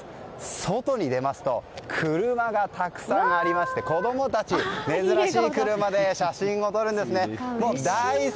外に出ますと車がたくさんありまして子供たちが珍しい車で写真を撮るんですね。